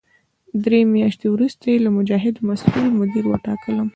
درې میاشتې وروسته یې د مجاهد مسوول مدیر وټاکلم.